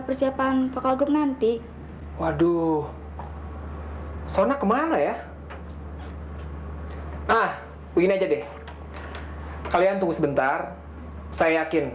persiapan vokal nanti waduh hai sana kemana ya ah begini aja deh kalian tunggu sebentar saya yakin